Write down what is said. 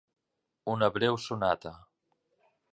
Una breu sonata.